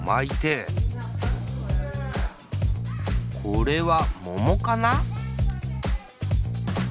これはももかな？